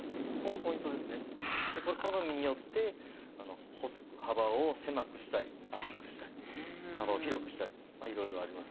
これ好みによって幅を狭くしたり厚くしたり幅を広くしたりいろいろあります